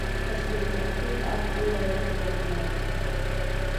Астатиақәеи ақәгыларақәеи рҟнытә…